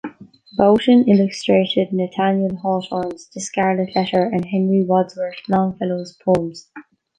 Boughton illustrated Nathaniel Hawthorne's "The Scarlet Letter" and Henry Wadsworth Longfellow's poems.